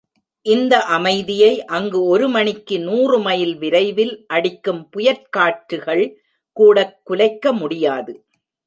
இந்த அமைதியை அங்கு ஒரு மணிக்கு நூறு மைல் விரைவில் அடிக்கும் புயற்காற்றுகள் கூடக் குலைக்க முடியாது.